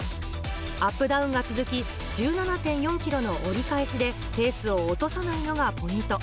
アップダウンが続き、１７．４ｋｍの折り返しでペースを落とさないのがポイント。